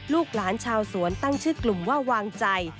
ลูกหลานชาวสวนตั้งชื่อกลุ่มว่าวางใจ